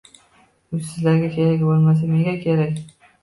U sizlarga kerak bo‘lmasa, menga kerak